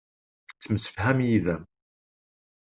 Tettemsefham yid-m.